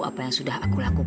apa yang sudah aku lakukan